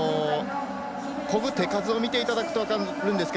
こぐ手数を見ていただけると分かるんですよ。